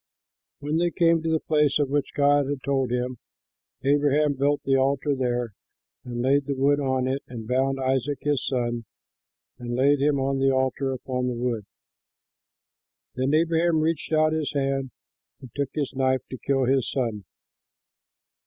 When they came to the place of which God had told him, Abraham built the altar there and laid the wood on it and bound Isaac his son and laid him on the altar upon the wood. Then Abraham reached out his hand, and took the knife to kill his son.